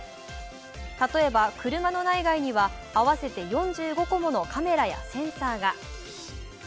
例えば車の内外には合わせて４５個ものカメラやセンサーが。